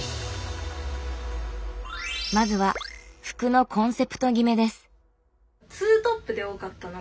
まずは服のコンセプト決めです。